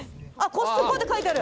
コストコって書いてある。